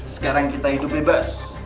sekarang kita hidup bebas